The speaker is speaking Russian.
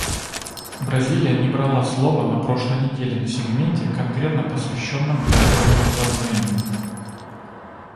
Бразилия не брала слово на прошлой неделе на сегменте, конкретно посвященном ядерному разоружению.